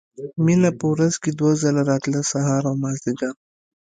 مينه په ورځ کښې دوه ځله راتله سهار او مازديګر.